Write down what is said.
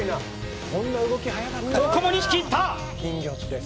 ここも２匹いった！